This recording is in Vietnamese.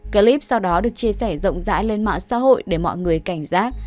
clip sau đó được chia sẻ rộng rãi lên mạng xã hội để mọi người cảnh giác